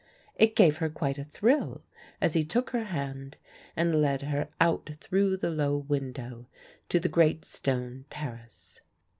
It gave her quite a thrill as he took her hand and led her out through the low window to the great stone terrace.